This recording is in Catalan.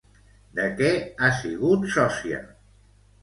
De què ha sigut sòcia?